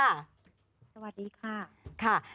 สวัสดีค่ะ